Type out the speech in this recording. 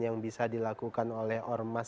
yang bisa dilakukan oleh ormas